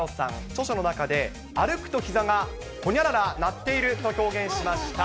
著書の中で、歩くとひざがほにゃらら鳴っていると表現しました。